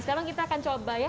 sekarang kita akan coba